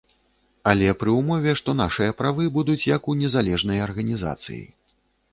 Але пры ўмове, што нашыя правы будуць як у незалежнай арганізацыі.